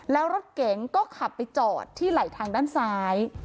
แล้วรถเก๋งก็ขับไปจอดที่ไหลทางด้านซ้าย